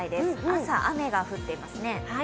朝、雨が降っていますね。